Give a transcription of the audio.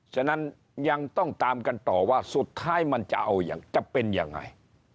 ฉะนั้นยังต้องตามกันต่อว่าสุดท้ายจะเป็นอย่างไร